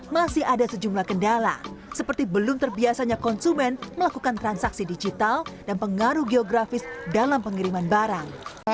masih ada sejumlah kendala seperti belum terbiasanya konsumen melakukan transaksi digital dan pengaruh geografis dalam pengiriman barang